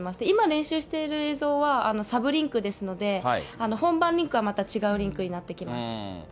今練習している映像は、サブリンクですので、本番リンクはまた違うリンクになってきます。